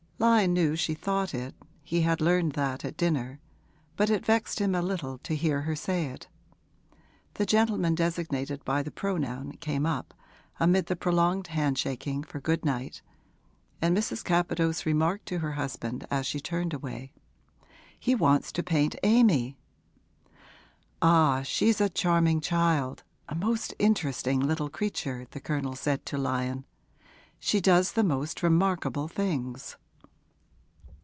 Lyon knew she thought it he had learned that at dinner but it vexed him a little to hear her say it. The gentleman designated by the pronoun came up, amid the prolonged handshaking for good night, and Mrs. Capadose remarked to her husband as she turned away, 'He wants to paint Amy.' 'Ah, she's a charming child, a most interesting little creature,' the Colonel said to Lyon. 'She does the most remarkable things.'